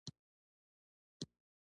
هند یو زړه راښکونکی هیواد دی.